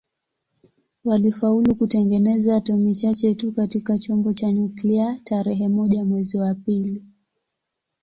Walifaulu kutengeneza atomi chache tu katika chombo cha nyuklia tarehe moja mwezi wa pili